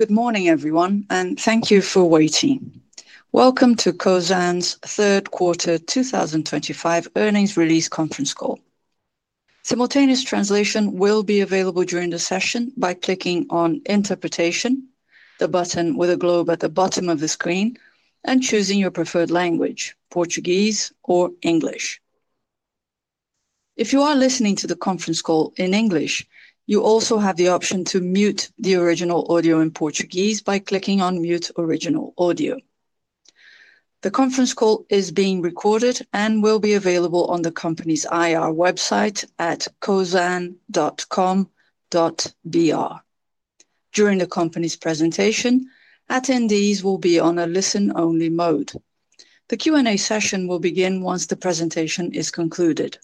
Good morning, everyone, and thank you for waiting. Welcome to Cosan's third quarter 2025 earnings release conference call. Simultaneous translation will be available during the session by clicking on Interpretation, the button with a globe at the bottom of the screen, and choosing your preferred language, Portuguese or English. If you are listening to the conference call in English, you also have the option to mute the original audio in Portuguese by clicking on Mute Original Audio. The conference call is being recorded and will be available on the company's IR website at cosan.com.br. During the company's presentation, attendees will be on a listen-only mode. The Q&A session will begin once the presentation is concluded.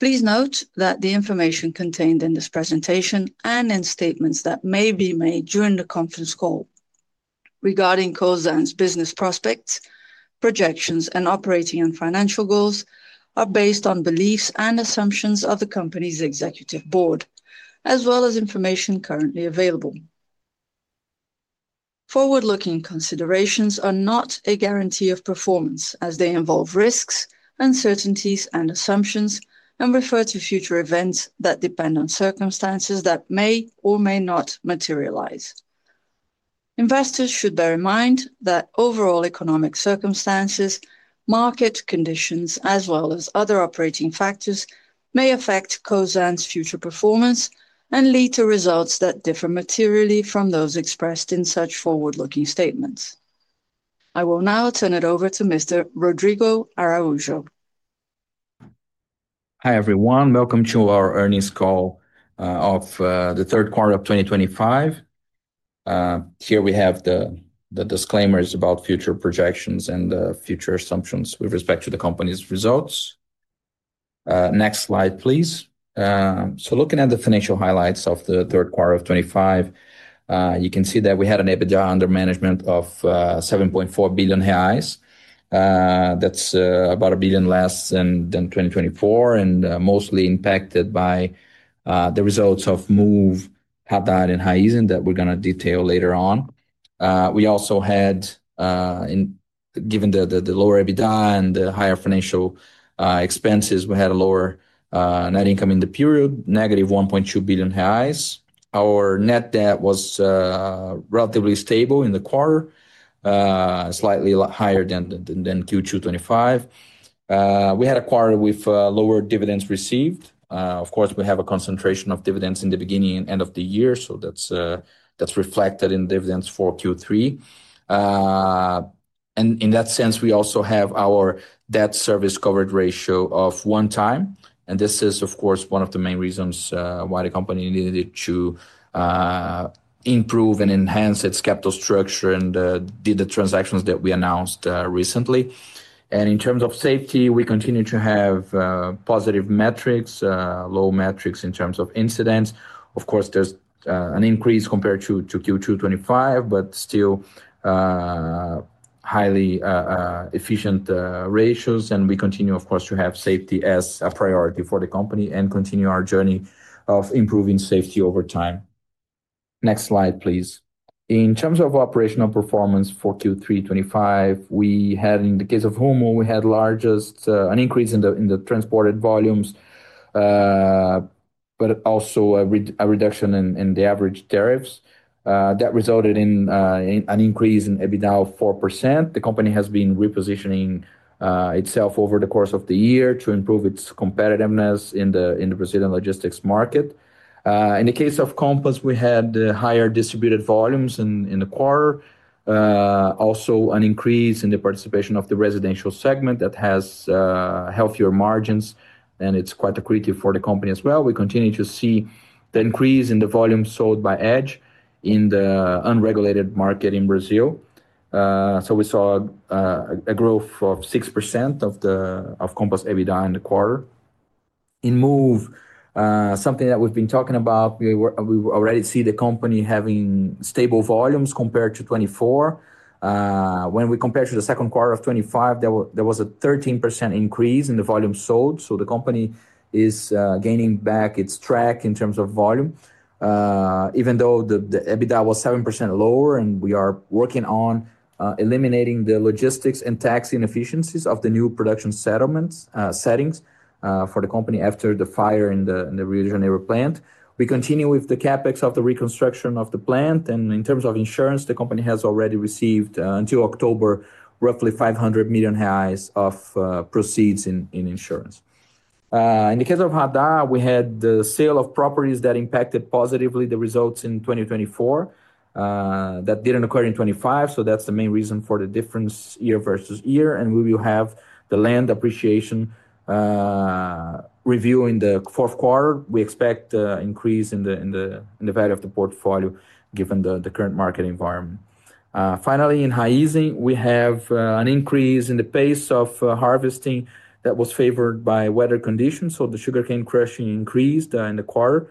Please note that the information contained in this presentation and in statements that may be made during the conference call regarding Cosan's business prospects, projections, and operating and financial goals are based on beliefs and assumptions of the company's executive board, as well as information currently available. Forward-looking considerations are not a guarantee of performance, as they involve risks, uncertainties, and assumptions, and refer to future events that depend on circumstances that may or may not materialize. Investors should bear in mind that overall economic circumstances, market conditions, as well as other operating factors, may affect Cosan's future performance and lead to results that differ materially from those expressed in such forward-looking statements. I will now turn it over to Mr. Rodrigo Araujo. Hi everyone, welcome to our earnings call of the third quarter of 2025. Here we have the disclaimers about future projections and future assumptions with respect to the company's results. Next slide, please. Looking at the financial highlights of the third quarter of 2025, you can see that we had an EBITDA under management of 7.4 billion reais. That is about 1 billion less than 2024 and mostly impacted by the results of MOVE, Haddad, and Raizen, that we are going to detail later on. We also had, given the lower EBITDA and the higher financial expenses, a lower net income in the period, negative 1.2 billion reais. Our net debt was relatively stable in the quarter, slightly higher than Q2 2025. We had a quarter with lower dividends received. Of course, we have a concentration of dividends in the beginning and end of the year, so that is reflected in dividends for Q3. In that sense, we also have our debt service coverage ratio of one time, and this is, of course, one of the main reasons why the company needed to improve and enhance its capital structure and did the transactions that we announced recently. In terms of safety, we continue to have positive metrics, low metrics in terms of incidents. Of course, there is an increase compared to Q2 2025, but still highly efficient ratios, and we continue, of course, to have safety as a priority for the company and continue our journey of improving safety over time. Next slide, please. In terms of operational performance for Q3 2025, we had, in the case of Rumo, we had an increase in the transported volumes, but also a reduction in the average tariffs. That resulted in an increase in EBITDA of 4%. The company has been repositioning itself over the course of the year to improve its competitiveness in the Brazilian logistics market. In the case of Compass, we had higher distributed volumes in the quarter, also an increase in the participation of the residential segment that has healthier margins, and it's quite a critic for the company as well. We continue to see the increase in the volume sold by edge in the unregulated market in Brazil. We saw a growth of 6% of Compass EBITDA in the quarter. In Moove, something that we've been talking about, we already see the company having stable volumes compared to 2024. When we compare to the second quarter of 2025, there was a 13% increase in the volume sold, so the company is gaining back its track in terms of volume, even though the EBITDA was 7% lower, and we are working on eliminating the logistics and tax inefficiencies of the new production settings for the company after the fire in the regional plant. We continue with the CapEx of the reconstruction of the plant, and in terms of insurance, the company has already received until October, roughly 500 million reais of proceeds in insurance. In the case of Haddad, we had the sale of properties that impacted positively the results in 2024 that did not occur in 2025, so that is the main reason for the difference year versus year, and we will have the land appreciation review in the fourth quarter. We expect an increase in the value of the portfolio given the current market environment. Finally, in Raizen, we have an increase in the pace of harvesting that was favored by weather conditions, so the sugarcane crushing increased in the quarter,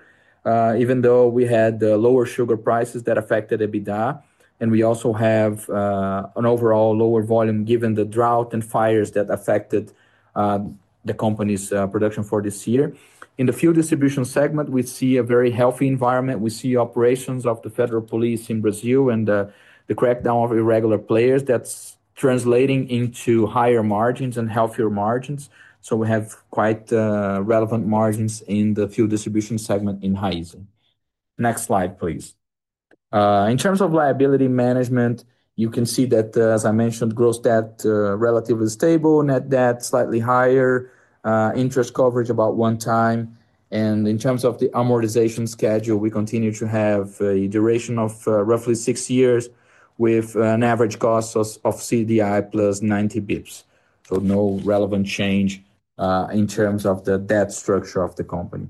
even though we had lower sugar prices that affected EBITDA, and we also have an overall lower volume given the drought and fires that affected the company's production for this year. In the fuel distribution segment, we see a very healthy environment. We see operations of the Federal Police in Brazil and the crackdown of irregular players. That is translating into higher margins and healthier margins, so we have quite relevant margins in the fuel distribution segment in Raizen. Next slide, please. In terms of liability management, you can see that, as I mentioned, gross debt relatively stable, net debt slightly higher, interest coverage about one time, and in terms of the amortization schedule, we continue to have a duration of roughly six years with an average cost of CDI plus 90 basis points, so no relevant change in terms of the debt structure of the company.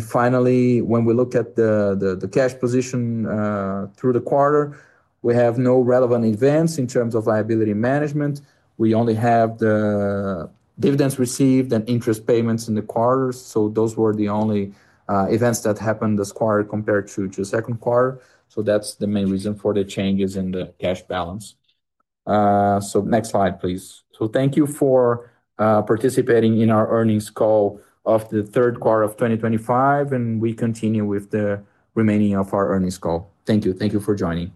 Finally, when we look at the cash position through the quarter, we have no relevant events in terms of liability management. We only have the dividends received and interest payments in the quarters, so those were the only events that happened this quarter compared to the second quarter, so that's the main reason for the changes in the cash balance. Next slide, please. Thank you for participating in our earnings call of the third quarter of 2025, and we continue with the remaining of our earnings call. Thank you. Thank you for joining.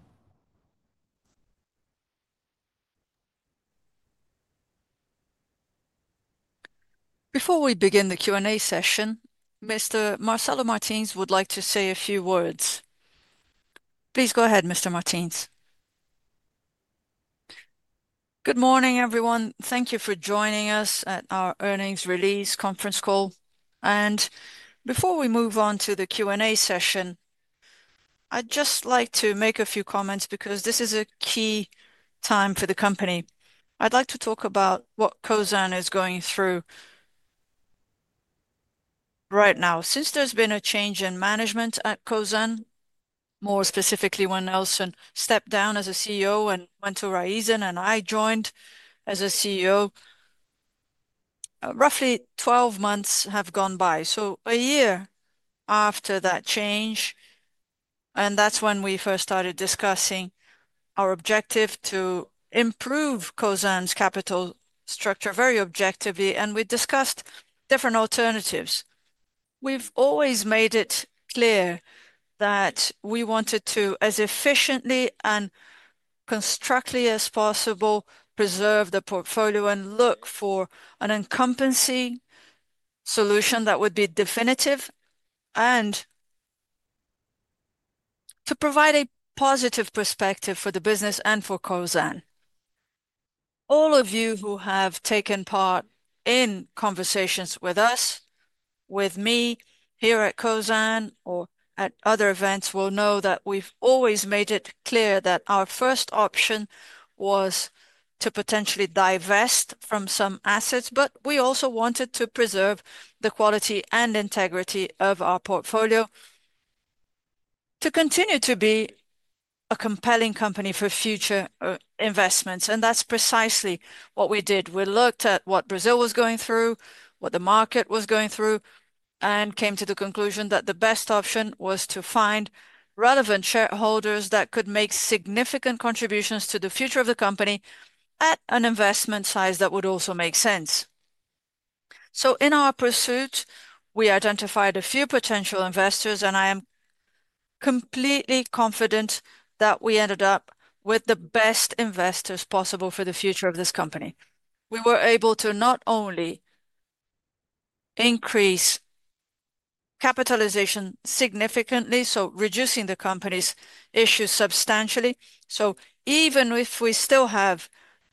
Before we begin the Q&A session, Mr. Marcelo Martins would like to say a few words. Please go ahead, Mr. Martins. Good morning, everyone. Thank you for joining us at our earnings release conference call. Before we move on to the Q&A session, I'd just like to make a few comments because this is a key time for the company. I'd like to talk about what Cosan is going through right now. Since there's been a change in management at Cosan, more specifically when Nelson stepped down as CEO and went to Raizen and I joined as CEO, roughly 12 months have gone by, so a year after that change, and that's when we first started discussing our objective to improve Cosan's capital structure very objectively, and we discussed different alternatives. We've always made it clear that we wanted to, as efficiently and constructively as possible, preserve the portfolio and look for an encompassing solution that would be definitive and to provide a positive perspective for the business and for Cosan. All of you who have taken part in conversations with us, with me here at Cosan or at other events, will know that we've always made it clear that our first option was to potentially divest from some assets, but we also wanted to preserve the quality and integrity of our portfolio to continue to be a compelling company for future investments, and that's precisely what we did. We looked at what Brazil was going through, what the market was going through, and came to the conclusion that the best option was to find relevant shareholders that could make significant contributions to the future of the company at an investment size that would also make sense. In our pursuit, we identified a few potential investors, and I am completely confident that we ended up with the best investors possible for the future of this company. We were able to not only increase capitalization significantly, reducing the company's issues substantially, so even if we still have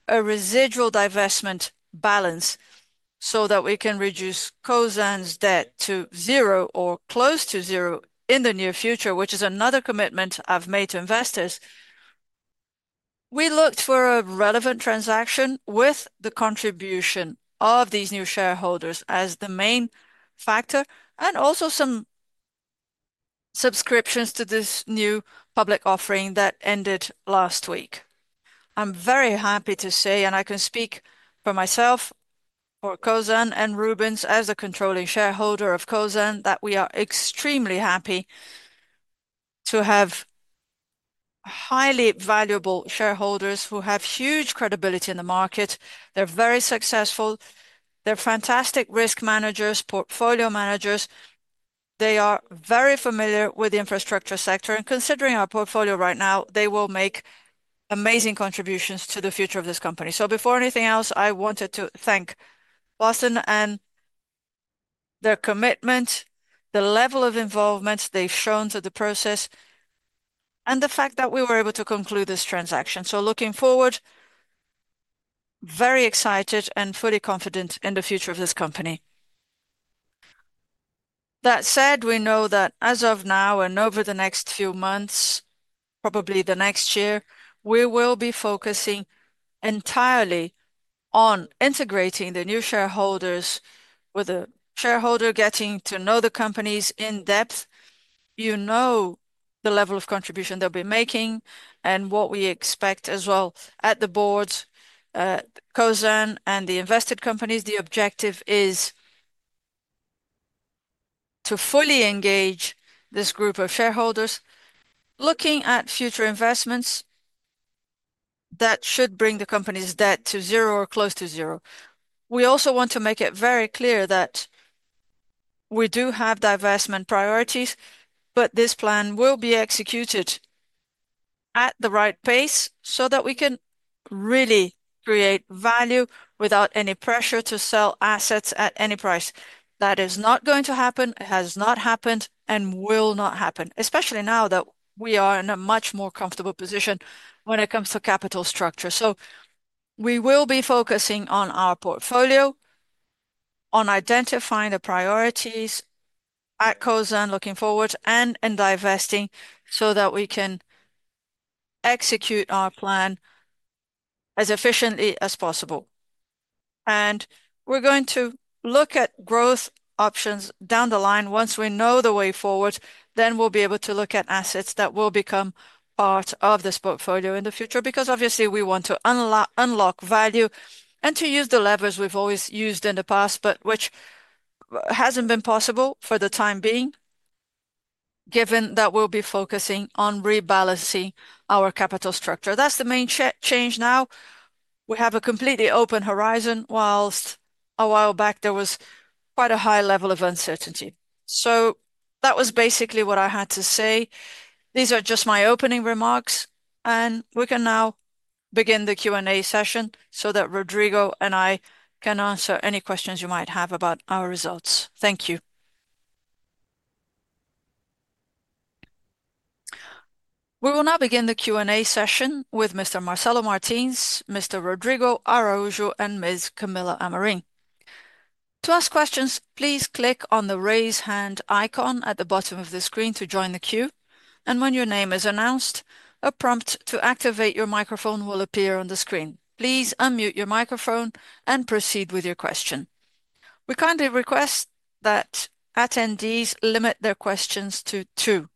a residual divestment balance so that we can reduce Cosan's debt to zero or close to zero in the near future, which is another commitment I've made to investors, we looked for a relevant transaction with the contribution of these new shareholders as the main factor and also some subscriptions to this new public offering that ended last week. I'm very happy to say, and I can speak for myself, for Cosan and Rubens as a controlling shareholder of Cosan, that we are extremely happy to have highly valuable shareholders who have huge credibility in the market. They're very successful. They're fantastic risk managers, portfolio managers. They are very familiar with the infrastructure sector, and considering our portfolio right now, they will make amazing contributions to the future of this company. Before anything else, I wanted to thank Bosen and their commitment, the level of involvement they've shown through the process, and the fact that we were able to conclude this transaction. Looking forward, very excited and fully confident in the future of this company. That said, we know that as of now and over the next few months, probably the next year, we will be focusing entirely on integrating the new shareholders with the shareholder, getting to know the companies in depth. You know the level of contribution they'll be making and what we expect as well at the boards, Cosa,n and the invested companies. The objective is to fully engage this group of shareholders, looking at future investments that should bring the company's debt to zero or close to zero. We also want to make it very clear that we do have divestment priorities, but this plan will be executed at the right pace so that we can really create value without any pressure to sell assets at any price. That is not going to happen, has not happened, and will not happen, especially now that we are in a much more comfortable position when it comes to capital structure. We will be focusing on our portfolio, on identifying the priorities at Cosan looking forward and in divesting so that we can execute our plan as efficiently as possible. We are going to look at growth options down the line. Once we know the way forward, then we'll be able to look at assets that will become part of this portfolio in the future because obviously we want to unlock value and to use the levers we've always used in the past, but which hasn't been possible for the time being, given that we'll be focusing on rebalancing our capital structure. That's the main change now. We have a completely open horizon, whilst a while back there was quite a high level of uncertainty. That was basically what I had to say. These are just my opening remarks, and we can now begin the Q&A session so that Rodrigo and I can answer any questions you might have about our results. Thank you. We will now begin the Q&A session with Mr. Marcelo Martins, Mr. Rodrigo Araujo, and Ms. Camila Amarin. To ask questions, please click on the raise hand icon at the bottom of the screen to join the queue, and when your name is announced, a prompt to activate your microphone will appear on the screen. Please unmute your microphone and proceed with your question. We kindly request that attendees limit their questions to two.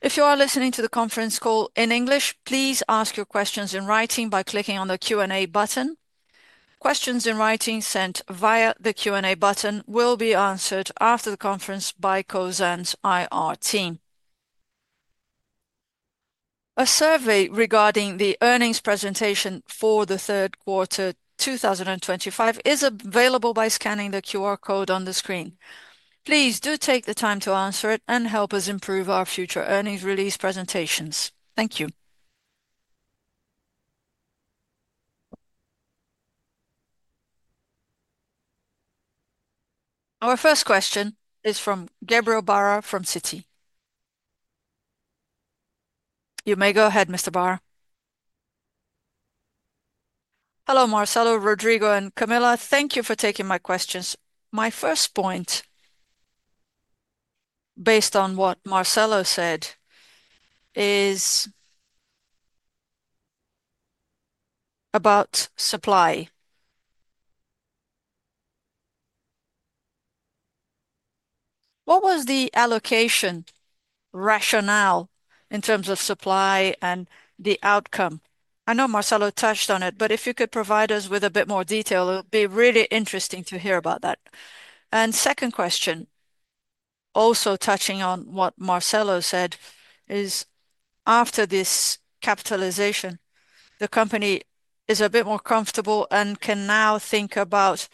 If you are listening to the conference call in English, please ask your questions in writing by clicking on the Q&A button. Questions in writing sent via the Q&A button will be answered after the conference by Cosan's IR team. A survey regarding the earnings presentation for the third quarter 2025 is available by scanning the QR code on the screen. Please do take the time to answer it and help us improve our future earnings release presentations. Thank you. Our first question is from Gabriel Barra from Citi. You may go ahead, Mr. Hello, Marcelo, Rodrigo, and Camila. Thank you for taking my questions. My first point, based on what Marcelo said, is about supply. What was the allocation rationale in terms of supply and the outcome? I know Marcelo touched on it, but if you could provide us with a bit more detail, it would be really interesting to hear about that. My second question, also touching on what Marcelo said, is after this capitalization, the company is a bit more comfortable and can now think about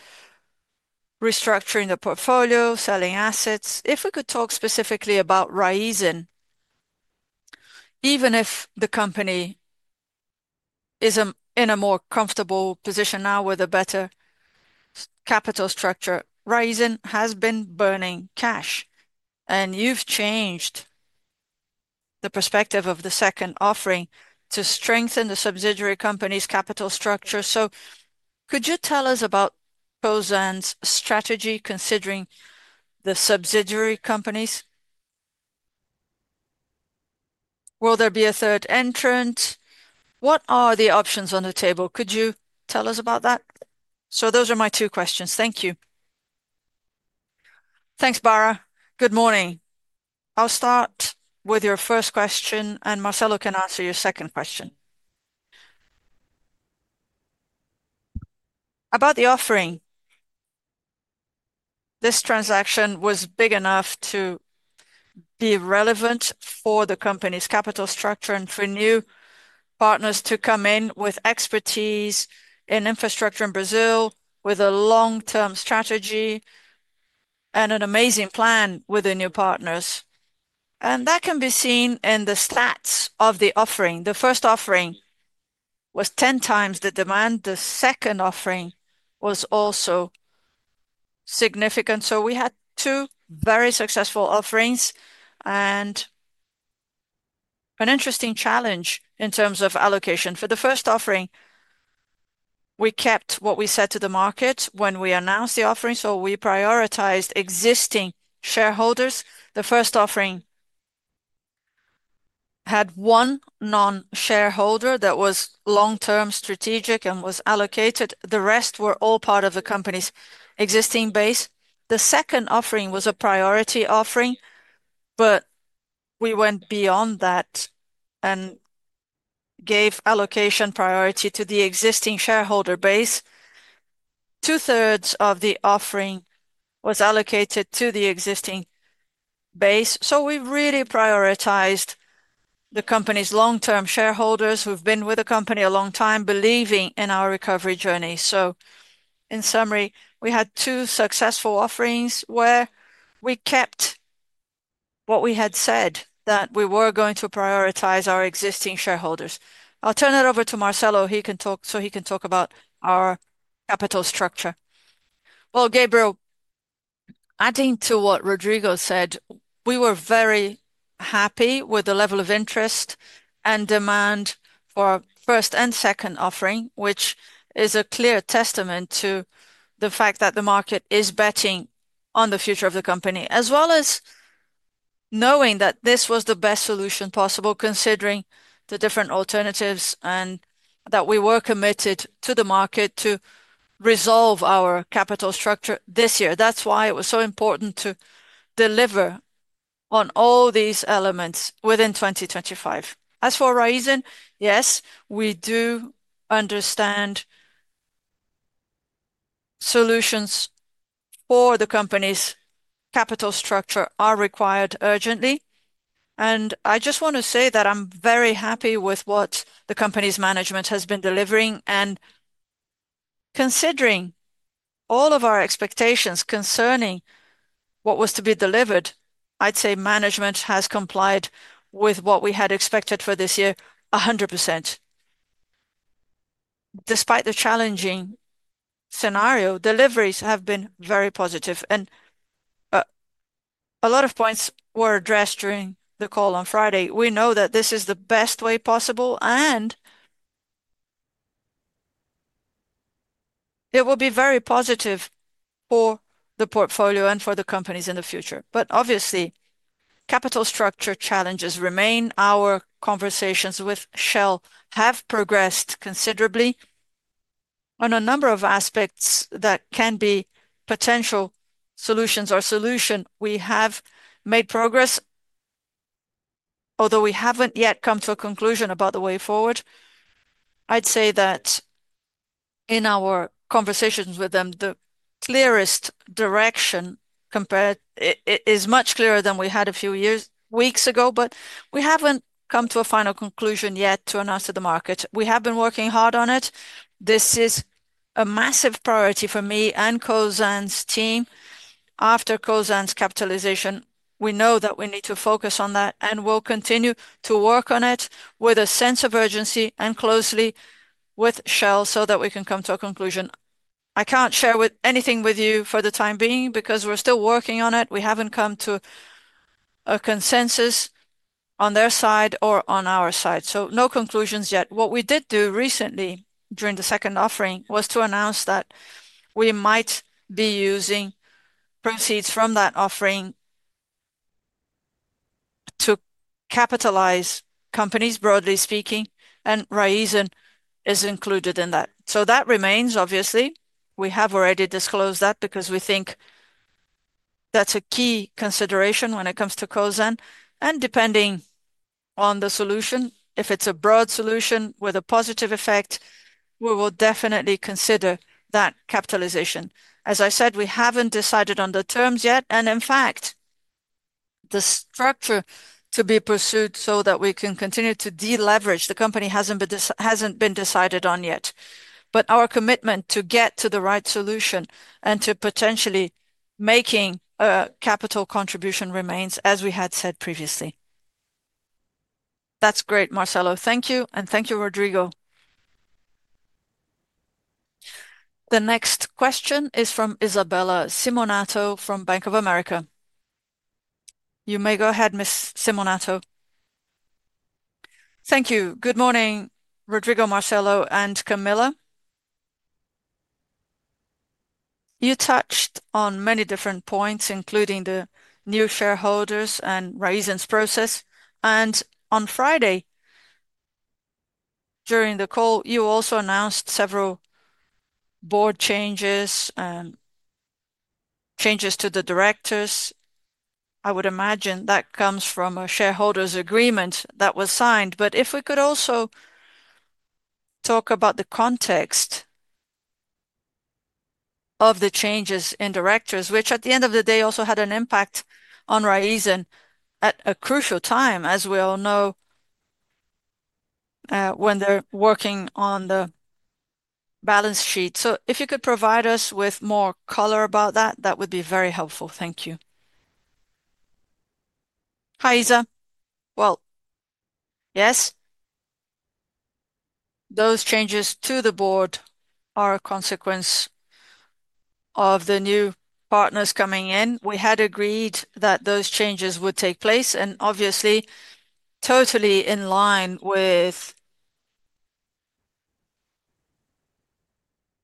restructuring the portfolio, selling assets. If we could talk specifically about Raizen, even if the company is in a more comfortable position now with a better capital structure, Raizen has been burning cash, and you have changed the perspective of the second offering to strengthen the subsidiary company's capital structure. Could you tell us about Cosan's strategy considering the subsidiary companies? Will there be a third entrant? What are the options on the table? Could you tell us about that? Those are my two questions. Thank you. Thanks, Barra. Good morning. I'll start with your first question, and Marcelo can answer your second question. About the offering, this transaction was big enough to be relevant for the company's capital structure and for new partners to come in with expertise in infrastructure in Brazil, with a long-term strategy and an amazing plan with the new partners. That can be seen in the stats of the offering. The first offering was 10 times the demand. The second offering was also significant. We had two very successful offerings and an interesting challenge in terms of allocation. For the first offering, we kept what we said to the market when we announced the offering, so we prioritized existing shareholders. The first offering had one non-shareholder that was long-term strategic and was allocated. The rest were all part of the company's existing base. The second offering was a priority offering, but we went beyond that and gave allocation priority to the existing shareholder base. Two-thirds of the offering was allocated to the existing base. We really prioritized the company's long-term shareholders who have been with the company a long time, believing in our recovery journey. In summary, we had two successful offerings where we kept what we had said, that we were going to prioritize our existing shareholders. I'll turn it over to Marcelo so he can talk about our capital structure. Gabriel, adding to what Rodrigo said, we were very happy with the level of interest and demand for our first and second offering, which is a clear testament to the fact that the market is betting on the future of the company, as well as knowing that this was the best solution possible, considering the different alternatives and that we were committed to the market to resolve our capital structure this year. That is why it was so important to deliver on all these elements within 2025. As for Raízen, yes, we do understand solutions for the company's capital structure are required urgently. I just want to say that I am very happy with what the company's management has been delivering. Considering all of our expectations concerning what was to be delivered, I would say management has complied with what we had expected for this year, 100%. Despite the challenging scenario, deliveries have been very positive. A lot of points were addressed during the call on Friday. We know that this is the best way possible, and it will be very positive for the portfolio and for the companies in the future. Obviously, capital structure challenges remain. Our conversations with Shell have progressed considerably on a number of aspects that can be potential solutions or solution. We have made progress, although we have not yet come to a conclusion about the way forward. I would say that in our conversations with them, the clearest direction is much clearer than we had a few weeks ago, but we have not come to a final conclusion yet to announce to the market. We have been working hard on it. This is a massive priority for me and Cosan's team. After Cosan's capitalization, we know that we need to focus on that, and we'll continue to work on it with a sense of urgency and closely with Shell so that we can come to a conclusion. I can't share anything with you for the time being because we're still working on it. We haven't come to a consensus on their side or on our side. No conclusions yet. What we did do recently during the second offering was to announce that we might be using proceeds from that offering to capitalize companies, broadly speaking, and Raizen is included in that. That remains, obviously. We have already disclosed that because we think that's a key consideration when it comes to Cosan. Depending on the solution, if it's a broad solution with a positive effect, we will definitely consider that capitalization. As I said, we have not decided on the terms yet. In fact, the structure to be pursued so that we can continue to deleverage the company has not been decided on yet. Our commitment to get to the right solution and to potentially making a capital contribution remains, as we had said previously. That is great, Marcelo. Thank you. Thank you, Rodrigo. The next question is from Isabella Simonato from Bank of America. You may go ahead, Ms. Simonato. Thank you. Good morning, Rodrigo, Marcelo, and Camila. You touched on many different points, including the new shareholders and Raizen's process. On Friday, during the call, you also announced several board changes and changes to the directors. I would imagine that comes from a shareholders' agreement that was signed. If we could also talk about the context of the changes in directors, which at the end of the day also had an impact on Raízen at a crucial time, as we all know, when they are working on the balance sheet. If you could provide us with more color about that, that would be very helpful. Thank you. Hi, Isa. Yes, those changes to the board are a consequence of the new partners coming in. We had agreed that those changes would take place, and obviously, totally in line with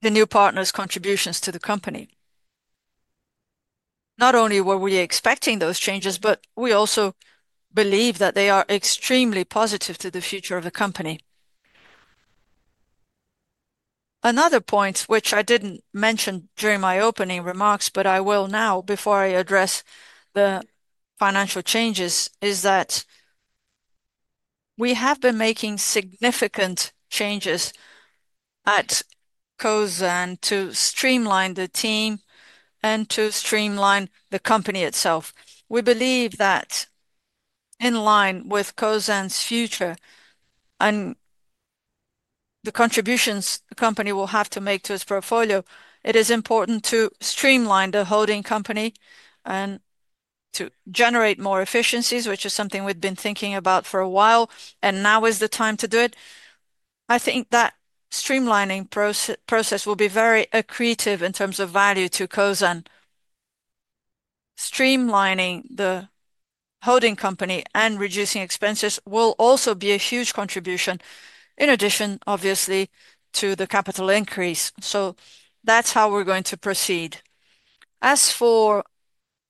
the new partners' contributions to the company. Not only were we expecting those changes, but we also believe that they are extremely positive to the future of the company. Another point, which I didn't mention during my opening remarks, but I will now, before I address the financial changes, is that we have been making significant changes at Cosan to streamline the team and to streamline the company itself. We believe that in line with Cosan's future and the contributions the company will have to make to its portfolio, it is important to streamline the holding company and to generate more efficiencies, which is something we've been thinking about for a while, and now is the time to do it. I think that streamlining process will be very accretive in terms of value to Cosan. Streamlining the holding company and reducing expenses will also be a huge contribution, in addition, obviously, to the capital increase. That is how we're going to proceed. As for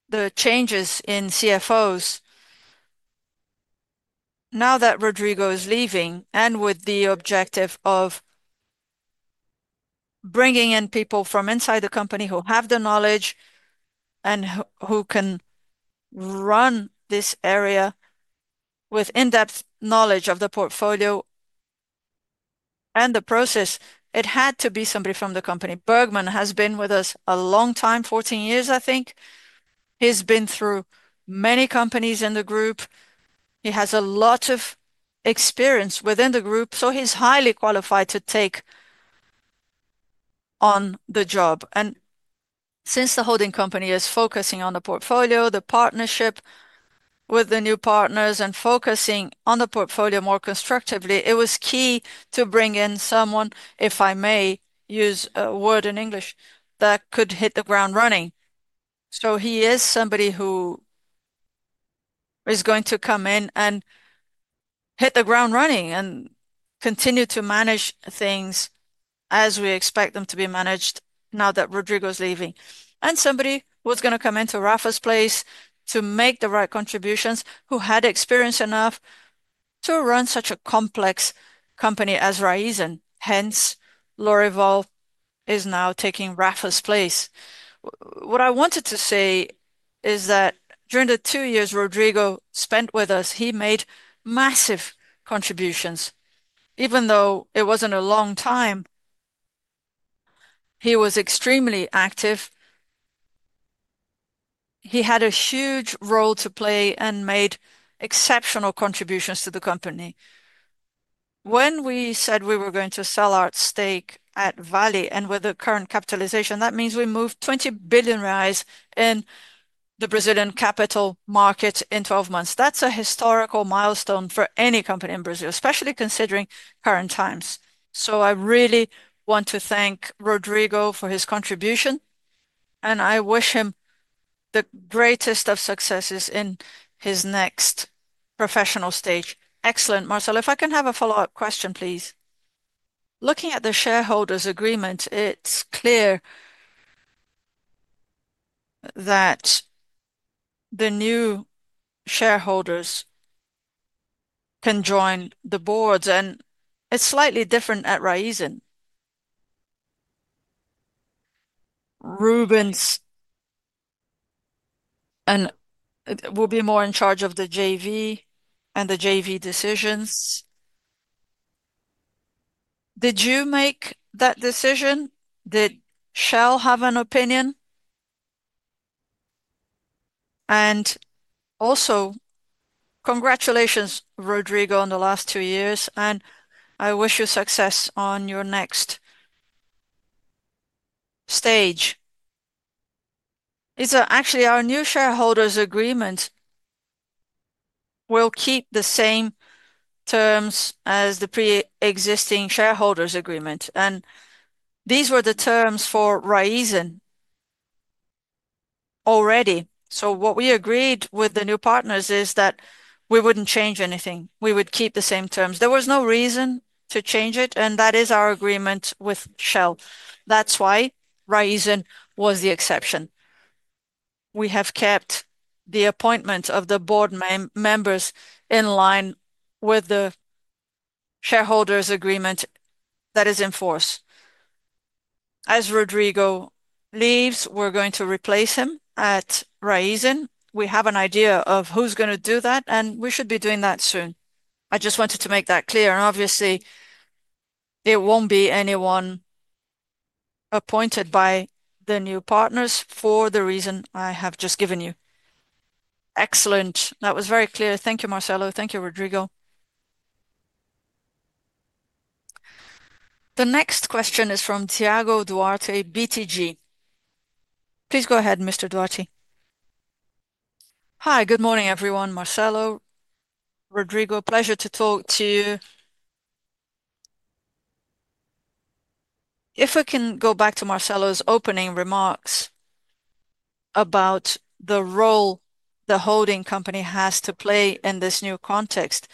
the changes in CFOs, now that Rodrigo is leaving and with the objective of bringing in people from inside the company who have the knowledge and who can run this area with in-depth knowledge of the portfolio and the process, it had to be somebody from the company. Bergman has been with us a long time, 14 years, I think. He's been through many companies in the group. He has a lot of experience within the group, so he's highly qualified to take on the job. Since the holding company is focusing on the portfolio, the partnership with the new partners, and focusing on the portfolio more constructively, it was key to bring in someone, if I may use a word in English, that could hit the ground running. He is somebody who is going to come in and hit the ground running and continue to manage things as we expect them to be managed now that Rodrigo's leaving. Somebody who's going to come into Rafa's place to make the right contributions, who had experience enough to run such a complex company as Raízen. Hence, Lori Valve is now taking Rafa's place. What I wanted to say is that during the two years Rodrigo spent with us, he made massive contributions. Even though it wasn't a long time, he was extremely active. He had a huge role to play and made exceptional contributions to the company. When we said we were going to sell our stake at Vale and with the current capitalization, that means we moved 20 billion reais in the Brazilian capital market in 12 months. That's a historical milestone for any company in Brazil, especially considering current times. I really want to thank Rodrigo for his contribution, and I wish him the greatest of successes in his next professional stage. Excellent, Marcelo. If I can have a follow-up question, please. Looking at the shareholders' agreement, it's clear that the new shareholders can join the boards, and it's slightly different at Raízen. Rubens will be more in charge of the JV and the JV decisions. Did you make that decision? Did Shell have an opinion? Also, congratulations, Rodrigo, on the last two years, and I wish you success on your next stage. Isa, actually, our new shareholders' agreement will keep the same terms as the pre-existing shareholders' agreement. These were the terms for Raízen already. What we agreed with the new partners is that we wouldn't change anything. We would keep the same terms. There was no reason to change it, and that is our agreement with Shell. That is why Raízen was the exception. We have kept the appointment of the board members in line with the shareholders' agreement that is in force. As Rodrigo leaves, we are going to replace him at Raízen. We have an idea of who is going to do that, and we should be doing that soon. I just wanted to make that clear. Obviously, it will not be anyone appointed by the new partners for the reason I have just given you. Excellent. That was very clear. Thank you, Marcelo. Thank you, Rodrigo. The next question is from Tiago Duarte, BTG. Please go ahead, Mr. Duarte. Hi, good morning, everyone. Marcelo, Rodrigo, pleasure to talk to you. If we can go back to Marcelo's opening remarks about the role the holding company has to play in this new context.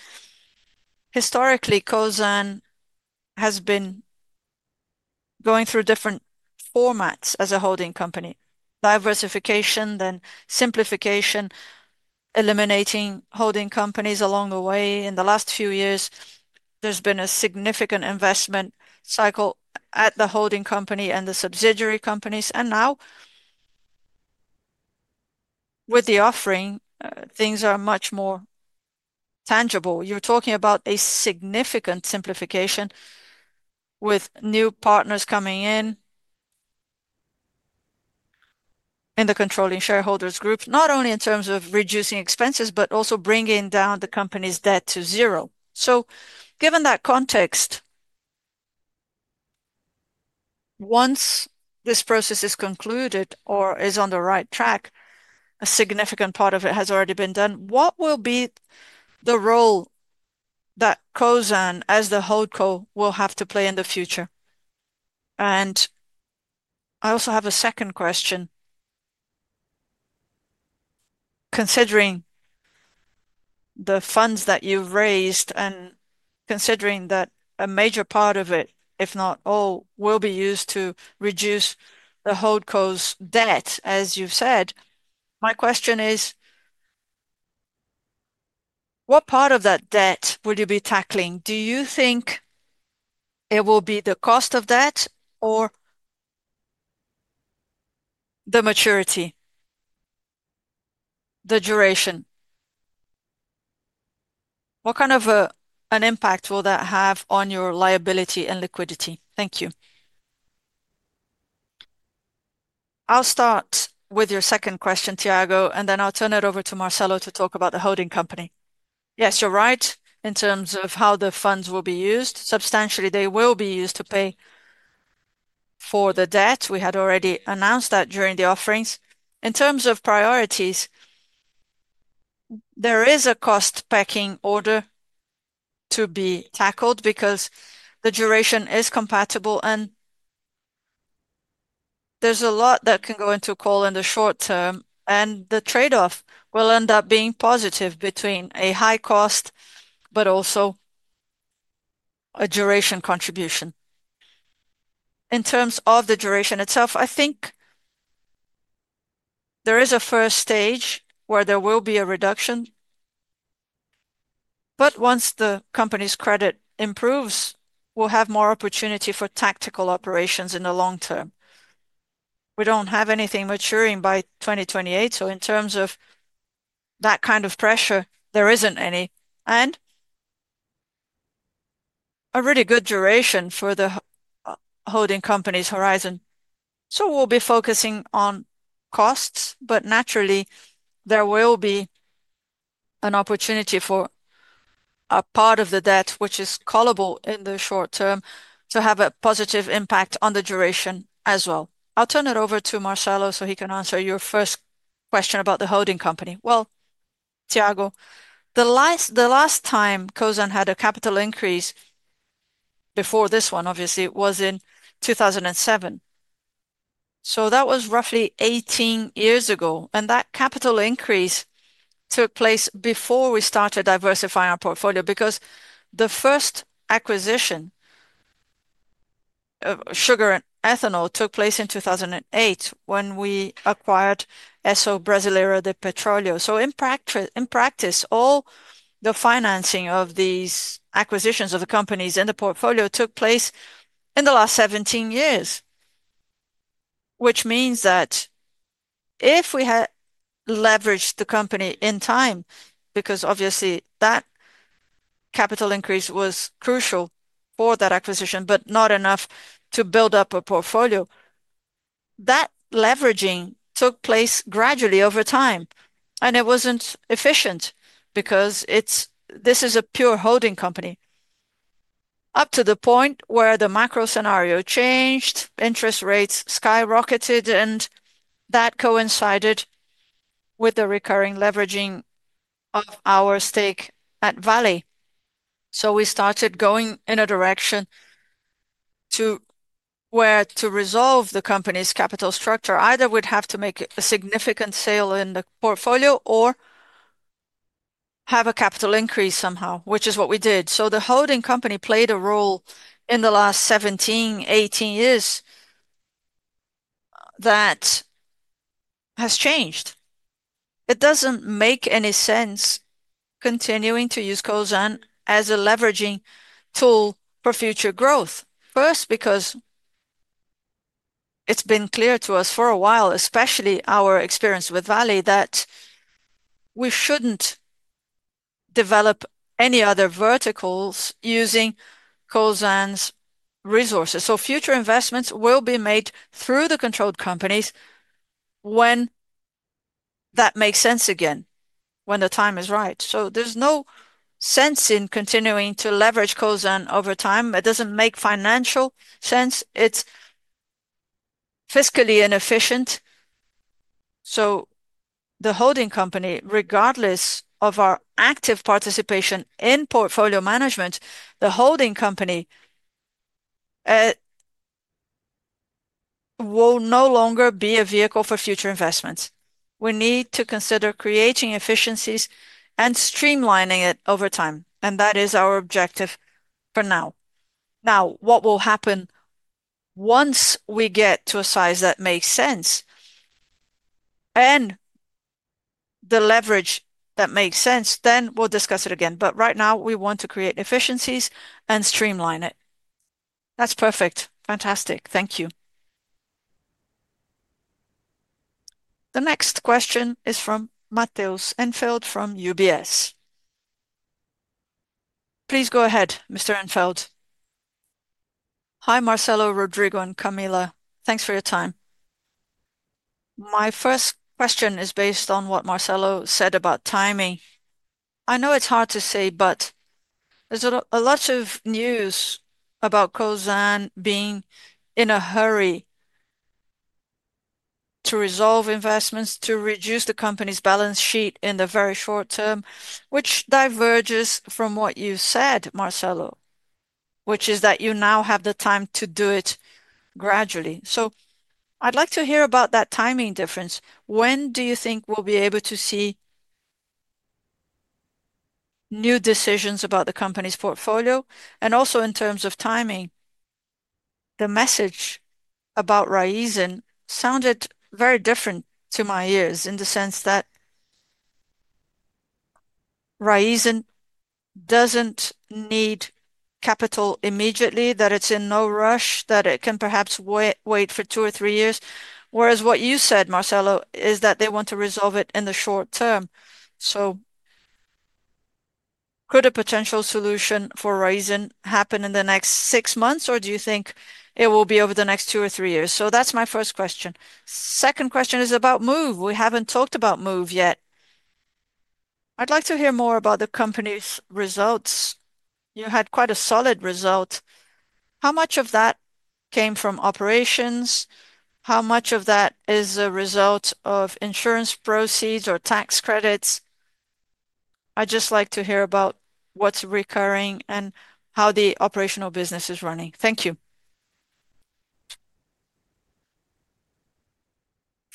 Historically, Cosan has been going through different formats as a holding company: diversification, then simplification, eliminating holding companies along the way. In the last few years, there's been a significant investment cycle at the holding company and the subsidiary companies. Now, with the offering, things are much more tangible. You're talking about a significant simplification with new partners coming in in the controlling shareholders' group, not only in terms of reducing expenses, but also bringing down the company's debt to zero. Given that context, once this process is concluded or is on the right track, a significant part of it has already been done, what will be the role that Cosan as the holdco will have to play in the future? I also have a second question. Considering the funds that you've raised and considering that a major part of it, if not all, will be used to reduce the holdco's debt, as you've said, my question is, what part of that debt will you be tackling? Do you think it will be the cost of debt or the maturity, the duration? What kind of an impact will that have on your liability and liquidity? Thank you. I'll start with your second question, Tiago, and then I'll turn it over to Marcelo to talk about the holding company. Yes, you're right in terms of how the funds will be used. Substantially, they will be used to pay for the debt. We had already announced that during the offerings. In terms of priorities, there is a cost-packing order to be tackled because the duration is compatible, and there's a lot that can go into call in the short term, and the trade-off will end up being positive between a high cost, but also a duration contribution. In terms of the duration itself, I think there is a first stage where there will be a reduction, but once the company's credit improves, we'll have more opportunity for tactical operations in the long term. We do not have anything maturing by 2028, so in terms of that kind of pressure, there is not any, and a really good duration for the holding company's horizon. We will be focusing on costs, but naturally, there will be an opportunity for a part of the debt, which is callable in the short term, to have a positive impact on the duration as well. I'll turn it over to Marcelo so he can answer your first question about the holding company. Tiago, the last time Cosan had a capital increase before this one, obviously, was in 2007. That was roughly 18 years ago, and that capital increase took place before we started diversifying our portfolio because the first acquisition of sugar and ethanol took place in 2008 when we acquired SO Brasileira de Petróleo. In practice, all the financing of these acquisitions of the companies in the portfolio took place in the last 17 years, which means that if we had leveraged the company in time, because obviously that capital increase was crucial for that acquisition, but not enough to build up a portfolio, that leveraging took place gradually over time. It was not efficient because this is a pure holding company up to the point where the macro scenario changed, interest rates skyrocketed, and that coincided with the recurring leveraging of our stake at Vale. We started going in a direction to where to resolve the company's capital structure. Either we would have to make a significant sale in the portfolio or have a capital increase somehow, which is what we did. The holding company played a role in the last 17-18 years that has changed. It does not make any sense continuing to use Cosan as a leveraging tool for future growth, first because it has been clear to us for a while, especially our experience with Vale, that we should not develop any other verticals using Cosan's resources. Future investments will be made through the controlled companies when that makes sense again, when the time is right. There is no sense in continuing to leverage Cosan over time. It does not make financial sense. It is fiscally inefficient. The holding company, regardless of our active participation in portfolio management, will no longer be a vehicle for future investments. We need to consider creating efficiencies and streamlining it over time, and that is our objective for now. What will happen once we get to a size that makes sense and the leverage that makes sense, then we will discuss it again. Right now, we want to create efficiencies and streamline it. That is perfect. Fantastic. Thank you. The next question is from Matheus Enfeldt from UBS. Please go ahead, Mr. Enfeldt. Hi, Marcelo, Rodrigo, and Camila. Thanks for your time. My first question is based on what Marcelo said about timing. I know it's hard to say, but there's a lot of news about Cosan being in a hurry to resolve investments to reduce the company's balance sheet in the very short term, which diverges from what you said, Marcelo, which is that you now have the time to do it gradually. I would like to hear about that timing difference. When do you think we'll be able to see new decisions about the company's portfolio? Also, in terms of timing, the message about Raízen sounded very different to my ears in the sense that Raízen doesn't need capital immediately, that it's in no rush, that it can perhaps wait for two or three years. Whereas what you said, Marcelo, is that they want to resolve it in the short term. Could a potential solution for Raízen happen in the next six months, or do you think it will be over the next two or three years? That's my first question. Second question is about Moove. We haven't talked about Moove yet. I'd like to hear more about the company's results. You had quite a solid result. How much of that came from operations? How much of that is a result of insurance proceeds or tax credits? I'd just like to hear about what's recurring and how the operational business is running. Thank you.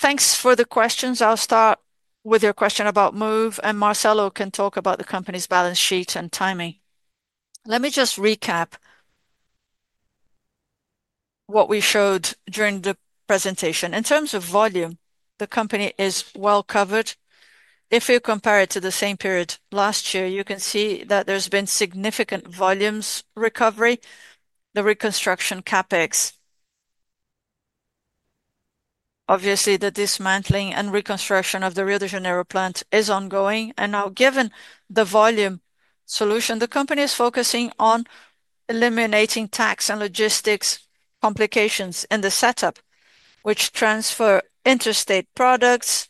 Thanks for the questions. I'll start with your question about Moove, and Marcelo can talk about the company's balance sheet and timing. Let me just recap what we showed during the presentation. In terms of volume, the company is well covered. If you compare it to the same period last year, you can see that there's been significant volumes recovery, the reconstruction CapEx. Obviously, the dismantling and reconstruction of the Rio de Janeiro plant is ongoing. Now, given the volume solution, the company is focusing on eliminating tax and logistics complications in the setup, which transfer interstate products,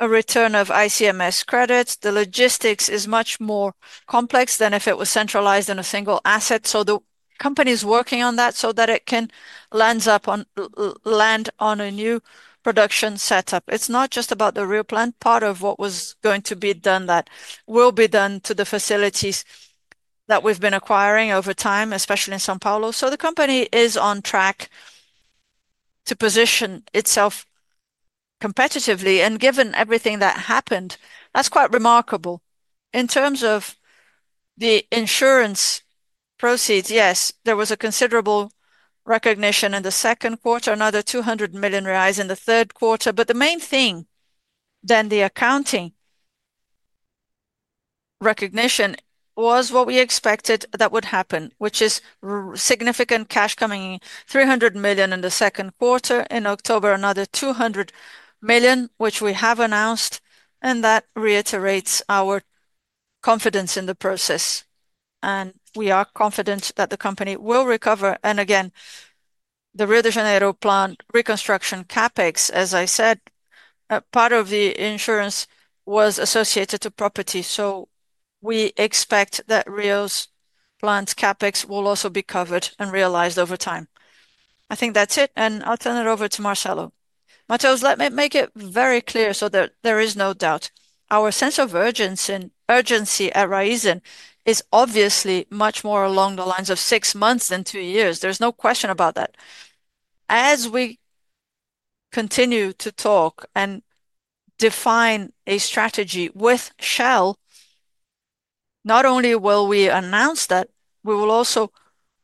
a return of ICMS credits. The logistics is much more complex than if it was centralized in a single asset. The company is working on that so that it can land on a new production setup. It's not just about the Rio plant. Part of what was going to be done that will be done to the facilities that we've been acquiring over time, especially in São Paulo. The company is on track to position itself competitively. Given everything that happened, that's quite remarkable. In terms of the insurance proceeds, yes, there was a considerable recognition in the second quarter, another 200 million reais in the third quarter. The main thing than the accounting recognition was what we expected that would happen, which is significant cash coming in, 300 million in the second quarter, in October, another 200 million, which we have announced, and that reiterates our confidence in the process. We are confident that the company will recover. The Rio de Janeiro plant reconstruction CapEx, as I said, part of the insurance was associated to property. We expect that Rio's plant CapEx will also be covered and realized over time. I think that's it, and I'll turn it over to Marcelo. Matheus, let me make it very clear so that there is no doubt. Our sense of urgency at Raizen is obviously much more along the lines of six months than two years. There is no question about that. As we continue to talk and define a strategy with Shell, not only will we announce that, we will also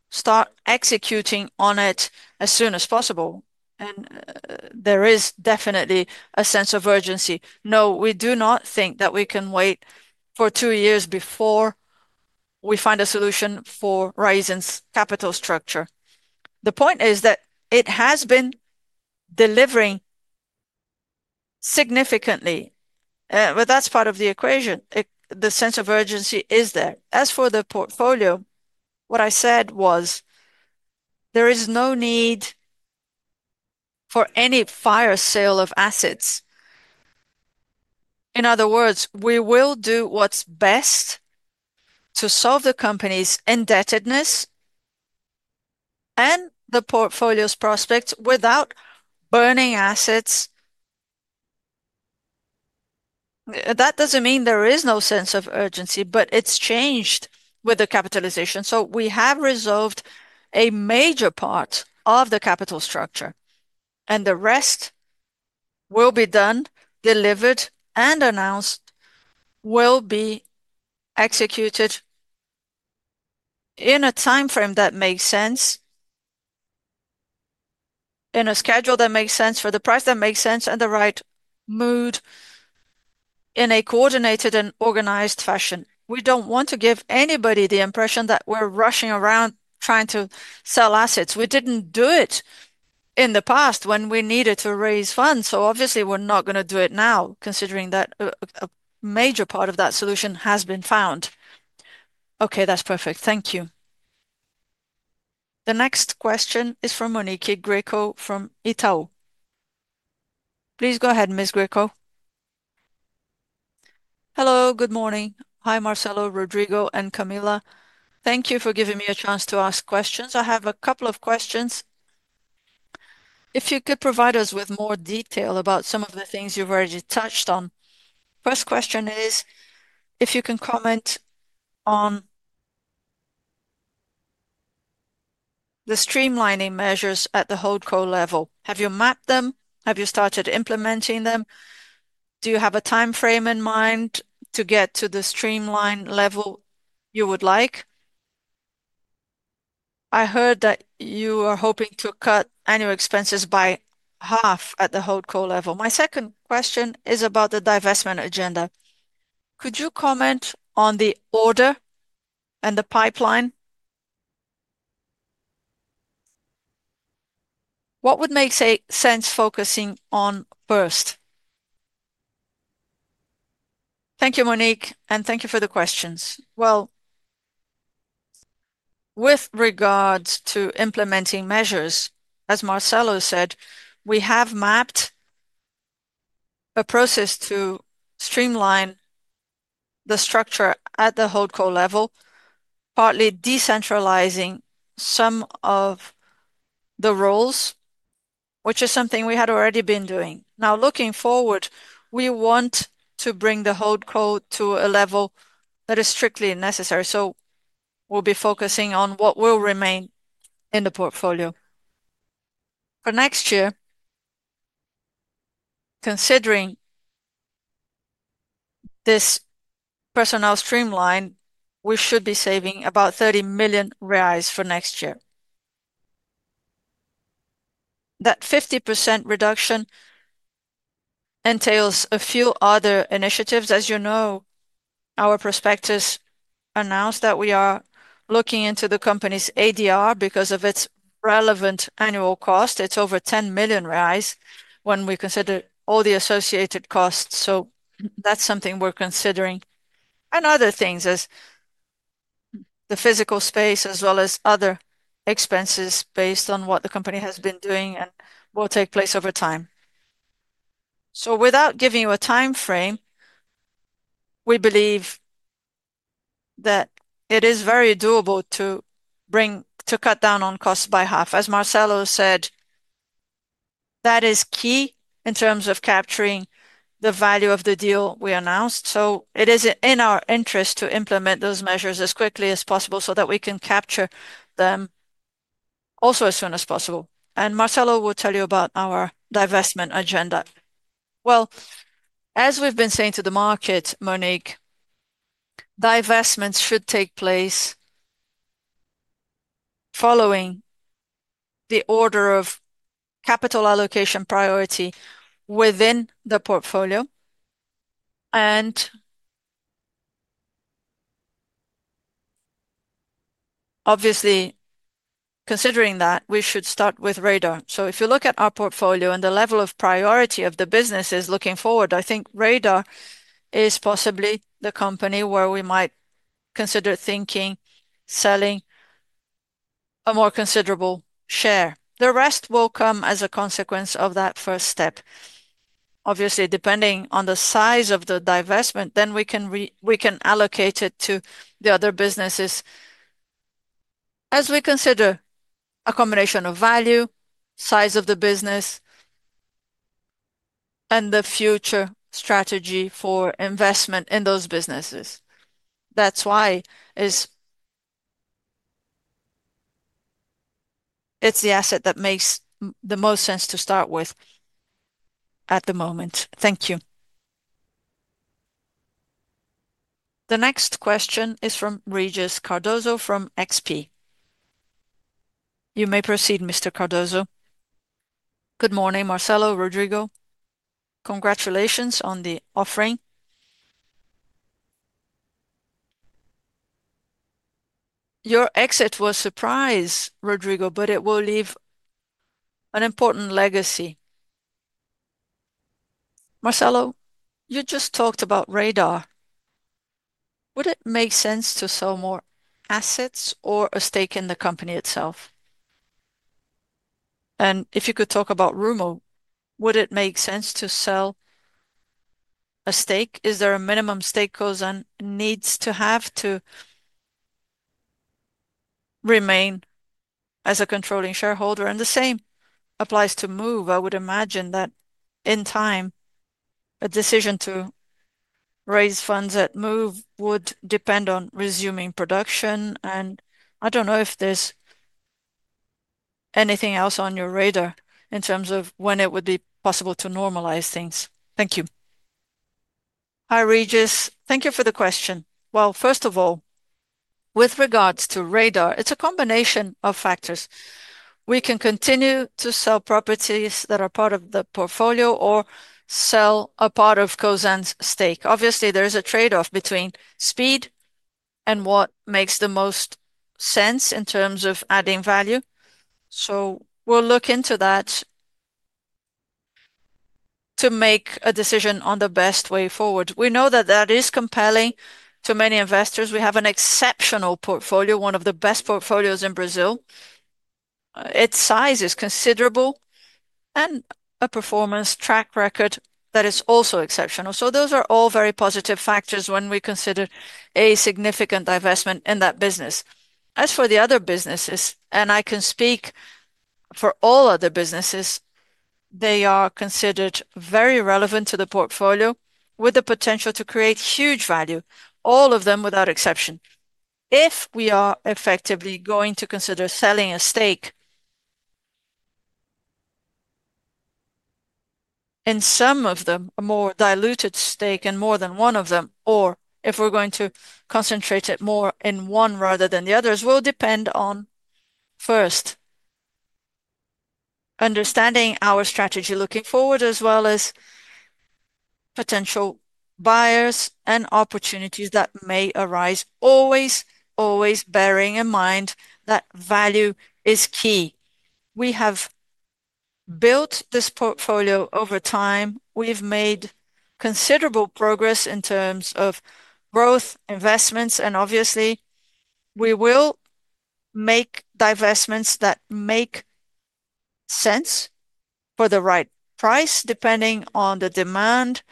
start executing on it as soon as possible. There is definitely a sense of urgency. No, we do not think that we can wait for two years before we find a solution for Raizen's capital structure. The point is that it has been delivering significantly, but that is part of the equation. The sense of urgency is there. As for the portfolio, what I said was there is no need for any fire sale of assets. In other words, we will do what is best to solve the company's indebtedness and the portfolio's prospects without burning assets. That does not mean there is no sense of urgency, but it has changed with the capitalization. We have resolved a major part of the capital structure, and the rest will be done, delivered, and announced, will be executed in a timeframe that makes sense, in a schedule that makes sense for the price that makes sense and the right mood in a coordinated and organized fashion. We do not want to give anybody the impression that we are rushing around trying to sell assets. We did not do it in the past when we needed to raise funds. Obviously, we are not going to do it now, considering that a major part of that solution has been found. Okay, that is perfect. Thank you. The next question is from Monique Greco from Itaú. Please go ahead, Ms. Greco. Hello, good morning. Hi, Marcelo, Rodrigo, and Camila. Thank you for giving me a chance to ask questions. I have a couple of questions. If you could provide us with more detail about some of the things you've already touched on. First question is if you can comment on the streamlining measures at the Holdco level. Have you mapped them? Have you started implementing them? Do you have a timeframe in mind to get to the streamline level you would like? I heard that you are hoping to cut annual expenses by half at the Holdco level. My second question is about the divestment agenda. Could you comment on the order and the pipeline? What would make sense focusing on first? Thank you. Monique, and thank you for the questions. With regards to implementing measures, as Marcelo said, we have mapped a process to streamline the structure at the Holdco level, partly decentralizing some of the roles, which is something we had already been doing. Now, looking forward, we want to bring the Holdco to a level that is strictly necessary. We will be focusing on what will remain in the portfolio. For next year, considering this personnel streamline, we should be saving about 30 million reais for next year. That 50% reduction entails a few other initiatives. As you know, our prospectus announced that we are looking into the company's ADR because of its relevant annual cost. It is over 10 million reais when we consider all the associated costs. That is something we are considering. Other things are the physical space as well as other expenses based on what the company has been doing and will take place over time. Without giving you a timeframe, we believe that it is very doable to cut down on costs by half. As Marcelo said, that is key in terms of capturing the value of the deal we announced. It is in our interest to implement those measures as quickly as possible so that we can capture them also as soon as possible. Marcelo will tell you about our divestment agenda. As we have been saying to the market, Monique, divestments should take place following the order of capital allocation priority within the portfolio. Obviously, considering that, we should start with Radar. If you look at our portfolio and the level of priority of the businesses looking forward, I think Radar is possibly the company where we might consider thinking selling a more considerable share. The rest will come as a consequence of that first step. Obviously, depending on the size of the divestment, then we can allocate it to the other businesses as we consider a combination of value, size of the business, and the future strategy for investment in those businesses. That is why it is the asset that makes the most sense to start with at the moment. Thank you. The next question is from Regis Cardoso from XP. You may proceed, Mr. Cardoso. Good morning, Marcelo, Rodrigo. Congratulations on the offering. Your exit was a surprise, Rodrigo, but it will leave an important legacy. Marcelo, you just talked about Radar. Would it make sense to sell more assets or a stake in the company itself? If you could talk about Rumo, would it make sense to sell a stake? Is there a minimum stake Cosan needs to have to remain as a controlling shareholder? The same applies to Move. I would imagine that in time, a decision to raise funds at Move would depend on resuming production. I do not know if there is anything else on your radar in terms of when it would be possible to normalize things. Thank you. Hi, Regis. Thank you for the question. First of all, with regards to Radar, it is a combination of factors. We can continue to sell properties that are part of the portfolio or sell a part of Cosan's stake. Obviously, there is a trade-off between speed and what makes the most sense in terms of adding value. We'll look into that to make a decision on the best way forward. We know that that is compelling to many investors. We have an exceptional portfolio, one of the best portfolios in Brazil. Its size is considerable and a performance track record that is also exceptional. Those are all very positive factors when we consider a significant divestment in that business. As for the other businesses, and I can speak for all other businesses, they are considered very relevant to the portfolio with the potential to create huge value, all of them without exception. If we are effectively going to consider selling a stake in some of them, a more diluted stake and more than one of them, or if we're going to concentrate it more in one rather than the others, will depend on first understanding our strategy looking forward, as well as potential buyers and opportunities that may arise. Always, always bearing in mind that value is key. We have built this portfolio over time. We've made considerable progress in terms of growth, investments, and obviously, we will make divestments that make sense for the right price depending on the demand,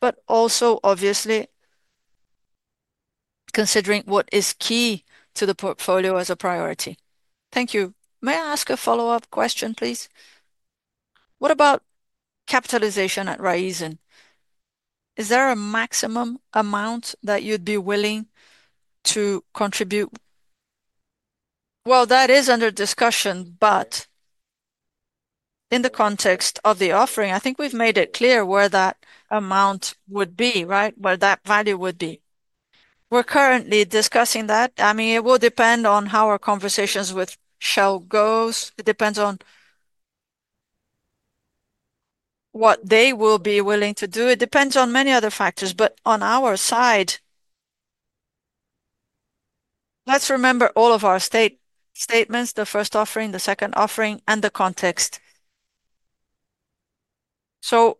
but also obviously considering what is key to the portfolio as a priority. Thank you. May I ask a follow-up question, please? What about capitalization at Raizen? Is there a maximum amount that you'd be willing to contribute? That is under discussion, but in the context of the offering, I think we have made it clear where that amount would be, right? Where that value would be. We are currently discussing that. I mean, it will depend on how our conversations with Shell go. It depends on what they will be willing to do. It depends on many other factors, but on our side, let us remember all of our statements, the first offering, the second offering, and the context.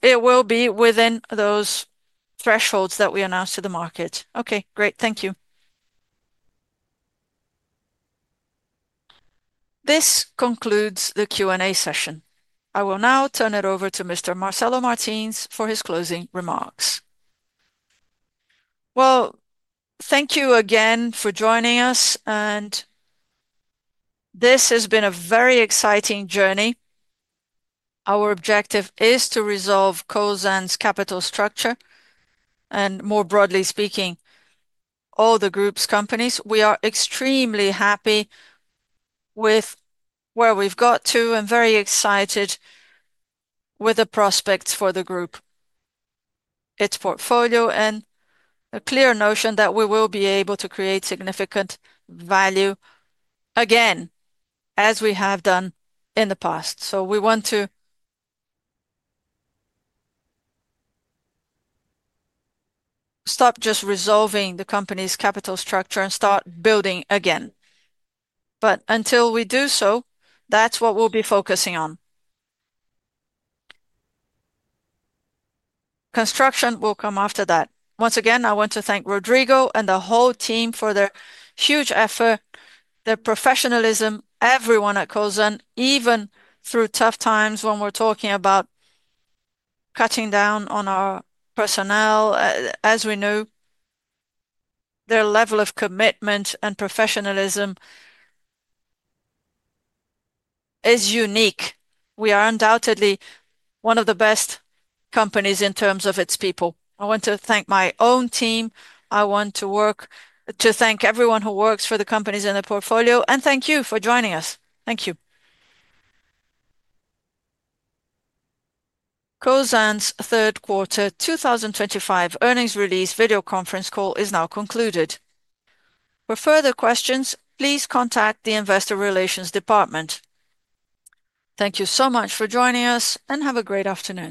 It will be within those thresholds that we announced to the market. Okay, great. Thank you. This concludes the Q&A session. I will now turn it over to Mr. Marcelo Martins for his closing remarks. Thank you again for joining us, and this has been a very exciting journey. Our objective is to resolve Cosan's capital structure and, more broadly speaking, all the group's companies. We are extremely happy with where we've got to and very excited with the prospects for the group, its portfolio, and a clear notion that we will be able to create significant value again, as we have done in the past. We want to stop just resolving the company's capital structure and start building again. Until we do so, that's what we'll be focusing on. Construction will come after that. Once again, I want to thank Rodrigo and the whole team for their huge effort, their professionalism, everyone at Cosan, even through tough times when we're talking about cutting down on our personnel. As we know, their level of commitment and professionalism is unique. We are undoubtedly one of the best companies in terms of its people. I want to thank my own team. I want to work to thank everyone who works for the companies in the portfolio, and thank you for joining us. Thank you. Cosan's third quarter 2025 earnings release video conference call is now concluded. For further questions, please contact the Investor Relations Department. Thank you so much for joining us, and have a great afternoon.